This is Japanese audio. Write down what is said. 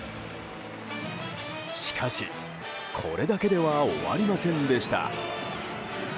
しかし、これだけでは終わりませんでした。